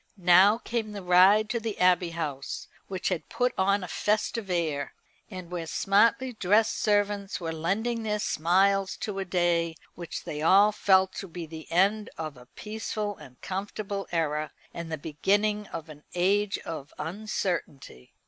Now came the ride to the Abbey House, which had put on a festive air, and where smartly dressed servants were lending their smiles to a day which they all felt to be the end of a peaceful and comfortable era, and the beginning of an age of uncertainty.